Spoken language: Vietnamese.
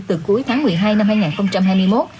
từ cuối tháng một mươi hai năm hai nghìn hai mươi một